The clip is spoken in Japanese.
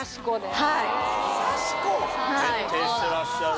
徹底してらっしゃるわ。